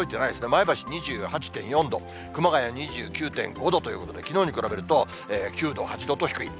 前橋２８．４度、熊谷２９．５度ということで、きのうに比べると９度、８度と、低い。